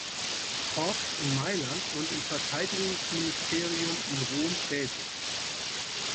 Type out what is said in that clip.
Korps in Mailand und im Verteidigungsministerium in Rom tätig.